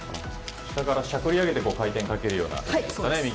下からしゃくりあげて回転をかけるようなイメージですね。